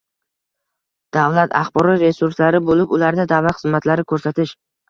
davlat axborot resurslari bo‘lib, ularda davlat xizmatlari ko‘rsatish